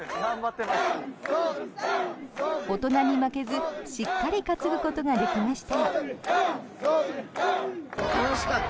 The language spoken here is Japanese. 大人に負けずしっかり担ぐことができました。